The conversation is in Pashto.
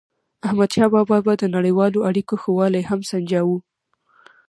احمدشاه بابا به د نړیوالو اړیکو ښه والی هم سنجاوو.